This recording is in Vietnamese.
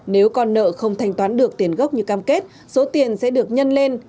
nếu con nợ không thanh toán được tiền gốc như cam kết số tiền sẽ được nhân lên